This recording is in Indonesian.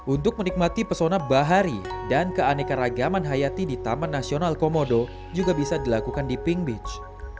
untuk menikmati pesona bahari dan keanekaragaman hayati di taman nasional komodo juga bisa dilakukan di pink beach